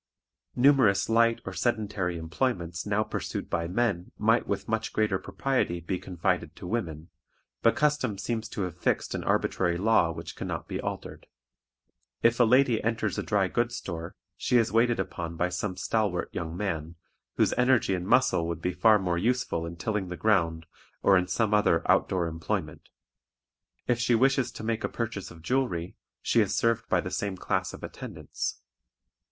Numerous light or sedentary employments now pursued by men might with much greater propriety be confided to women, but custom seems to have fixed an arbitrary law which can not be altered. If a lady enters a dry goods store, she is waited upon by some stalwart young man, whose energy and muscle would be far more useful in tilling the ground, or in some other out door employment. If she wishes to make a purchase of jewelry, she is served by the same class of attendants.